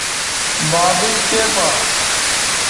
بابئ چےپا